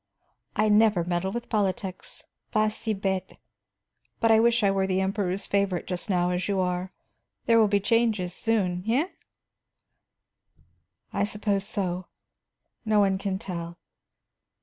"I never meddle with politics; pas si bête. But I wish I were the Emperor's favorite just now, as you are. There will be changes soon, hein?" "I suppose so. No one can tell."